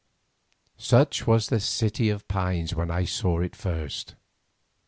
Such was the City of Pines when I saw it first.